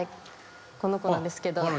この子なんですけど。